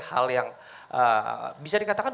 hal yang bisa dikatakan